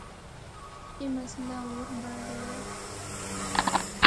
اے مسئلہ ہور بڑھ رہیا ہے۔